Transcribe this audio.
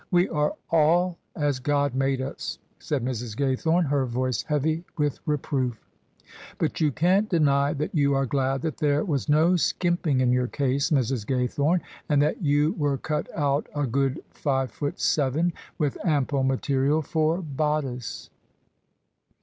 " We are all as God made us," said Mrs. Gaythome, her voice heavy with reproof. " But you can't deny that you are glad that there was no skimping in your case, Mrs. Gaythome, and that you were cut out a good five foot seven, with ample material for bodice."